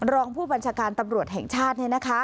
รองผู้บัญชาการตำรวจแห่งชาติ